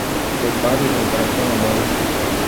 Prepare o jantar com a mãe